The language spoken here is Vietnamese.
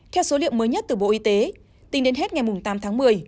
theo số liệu mới nhất từ bộ y tế tính đến hết ngày tám tháng một mươi